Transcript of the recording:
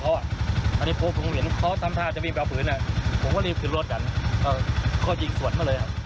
ก็ยิงสวนมาเลยครับ